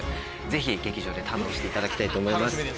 ぜひ劇場で堪能していただきたいと思います。